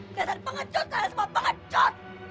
bukan semua pengecut bukan semua pengecut